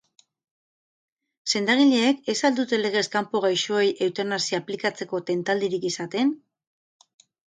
Sendagileek ez al dute legez kanpo gaixoei eutanasia aplikatzeko tentaldirik izaten?